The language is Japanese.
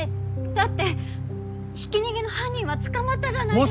だってひき逃げの犯人は捕まったじゃないですか。